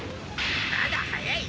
まだ早い。